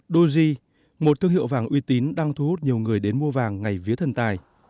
doji một thương hiệu vàng uy tín đang thu hút nhiều người đến mua vàng ngày vía thần tài